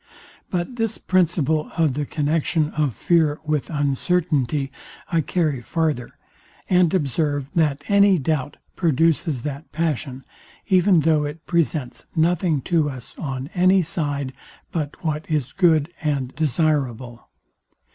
] But this principle of the connexion of fear with uncertainty I carry farther, and observe that any doubt produces that passion, even though it presents nothing to us on any side but what is good and desireable.